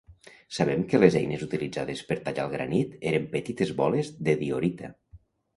Sabem que les eines utilitzades per tallar el granit eren petites boles de diorita.